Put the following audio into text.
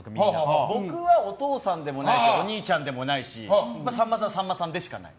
僕はお父さんでもないしお兄ちゃんでもないしさんまさんはさんまさんでしかない。